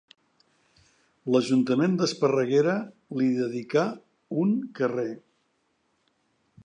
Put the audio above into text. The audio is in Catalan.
L'ajuntament d'Esparreguera li dedicà un carrer.